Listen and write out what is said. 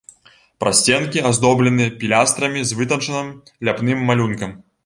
Прасценкі аздоблены пілястрамі з вытанчаным ляпным малюнкам.